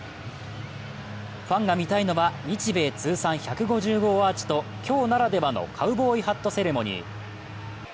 ファンが見たいのは日米通算１５０号アーチと、今日ならではのカウボーイハットセレモニー。